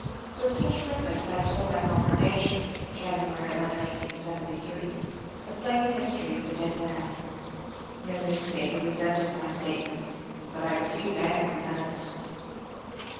With such preface I told my congregation (January 11, 1878) the plain history of the dead man. No newspaper resented my statement, but I received angry letters.